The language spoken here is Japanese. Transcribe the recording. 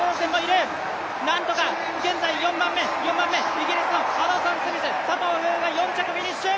イギリスのハドソンスミス佐藤風雅が４着フィニッシュ。